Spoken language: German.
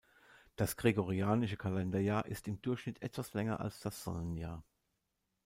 Das gregorianische Kalender-Jahr ist im Durchschnitt etwas länger als das Sonnenjahr.